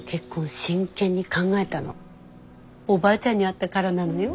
真剣に考えたのおばあちゃんに会ったからなのよ。